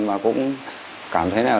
và cũng cảm thấy là